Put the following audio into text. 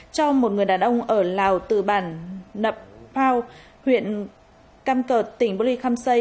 cho một người đàn ông ở lào từ bản năm phao huyện căm cợt tỉnh bô lê khăm xây